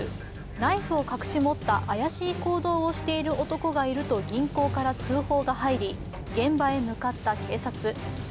ナイフを隠し持った怪しい行動をしている男がいると銀行から通報が入り現場へ向かった警察。